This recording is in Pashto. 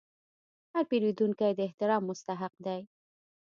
هر پیرودونکی د احترام مستحق دی.